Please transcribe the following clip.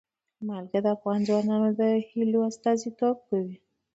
نمک د افغان ځوانانو د هیلو استازیتوب کوي.